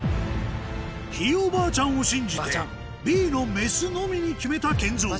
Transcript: ひいおばあちゃんを信じてＢの「メスのみ」に決めたＫＥＮＺＯ